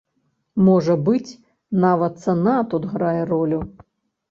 Можа быць, нават цана тут грае ролю.